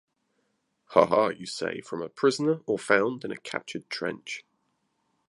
Haha, you say, from a prisoner or found in a captured trench.